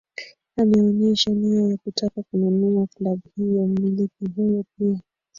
ameonyesha nia ya kutaka kununua klabu hiyo mmiliki huyo pia